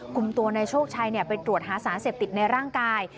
กลุ่มตัวนายโชคชัยไปตรวจหาสารเสพติดในร่างกาย